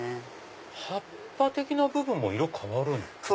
葉っぱ的な部分も色変わるんですか？